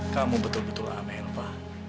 kamu betul betul ameh elva